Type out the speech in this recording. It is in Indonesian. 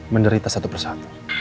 menderita satu persatu